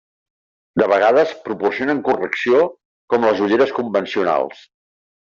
De vegades proporcionen correcció com les ulleres convencionals.